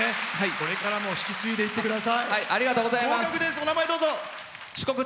これからも引き継いでいってください。